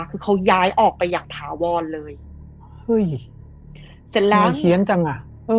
คือเขาย้ายออกไปอย่างถาวรเลยเห้ยเหี้ยนจังอ่ะ